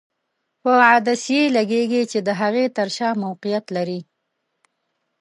په عدسیې لګیږي چې د هغې تر شا موقعیت لري.